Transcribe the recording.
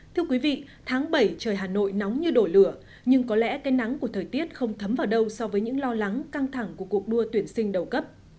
thưa quý vị tháng bảy trời hà nội nóng như đổ lửa nhưng có lẽ cái nắng của thời tiết không thấm vào đâu so với những lo lắng căng thẳng của cuộc đua tuyển sinh đầu cấp